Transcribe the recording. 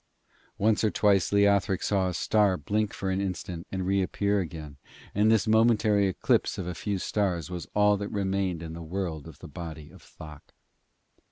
Once or twice Leothric saw a star blink for an instant and reappear again, and this momentary eclipse of a few stars was all that remained in the world of the body of Thok.